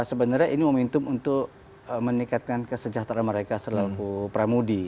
sebenarnya ini momentum untuk meningkatkan kesejahteraan mereka selaku pramudi